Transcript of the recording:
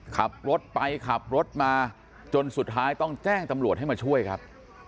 ขับรถไปขับรถมาจนสุดท้ายต้องแจ้งตำรวจให้มาช่วยครับ